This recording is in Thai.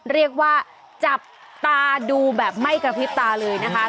เรียกว่าจับตาดูแบบไม่กระพริบตาเลยนะคะ